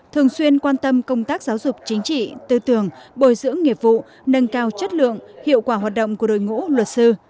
thường xuyên quan tâm công tác giáo dục chính trị tư tưởng bồi dưỡng nghiệp vụ nâng cao chất lượng hiệu quả hoạt động của đội ngũ luật sư